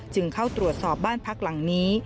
จึงเข้าตรวจสอบบ้านพักหลังนี้